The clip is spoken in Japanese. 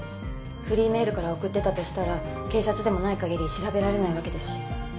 フリーメールから送ってたとしたら警察でもないかぎり調べられないわけですし。